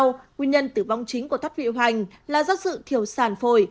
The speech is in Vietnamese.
nguyên nhân tử vong chính của thoát vị hoành là do sự thiểu sàn phổi